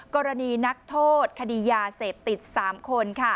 กรณีนักโทษคดียาเสพติด๓คน